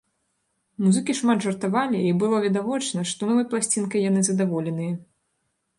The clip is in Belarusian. Музыкі шмат жартавалі і было відавочна, што новай пласцінкай яны задаволеныя.